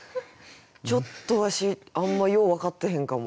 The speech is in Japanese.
ちょっとわしあんまよう分かってへんかも。